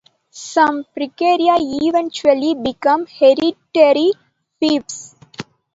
Some precaria eventually became hereditary fiefs.